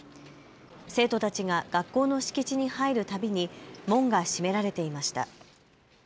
生徒たちが学校の敷地に入るたびに門が閉められていました。